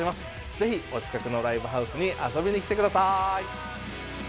ぜひお近くのライブハウスに遊びに来てください！